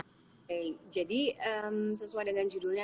oke jadi sesuai dengan judulnya